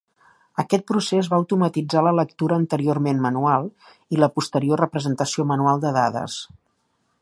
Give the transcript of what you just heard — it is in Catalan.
Aquest procés va automatitzar la lectura anteriorment manual i la posterior representació manual de dades.